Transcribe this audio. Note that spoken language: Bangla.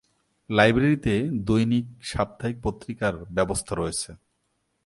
লাইব্রেরিতে দৈনিক, সাপ্তাহিক পত্রিকার ব্যবস্থা রয়েছে।